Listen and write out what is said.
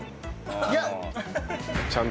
いや！